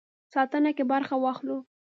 ساتنه کې برخه واخلو.